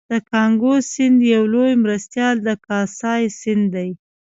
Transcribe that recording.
د کانګو سیند یو لوی مرستیال د کاسای سیند دی